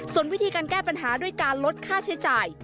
ส่วนวิธีการแก้ปัญหาด้วยการลดค่าใช้จ่าย